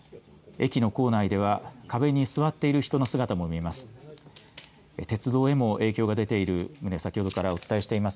駅の構内では壁に座っている人の姿も見えます。